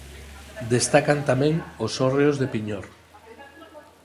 Destacan tamén os hórreos de Piñor.